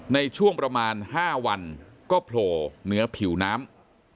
ในช่วงประมาณ๕วันก็โผล่เหนือผิวน้ำ